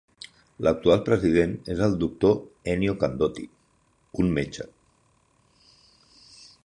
L'actual president és el doctor Ennio Candotti, un metge.